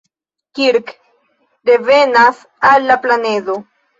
Kirk revenas al la planedo.